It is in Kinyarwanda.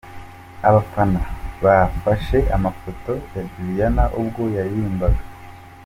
Abafana bafashe amafoto ya Juliana ubwo yaririmbaga.